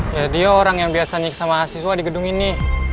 ya dia orang yang biasa nyiksa mahasiswa di gedung ini